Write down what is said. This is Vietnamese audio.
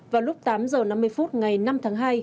vào lúc tám h năm mươi phút ngày năm tháng hai